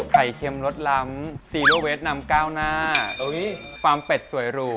เค็มรสล้ำซีโรเวสนำก้าวหน้าฟาร์มเป็ดสวยหรู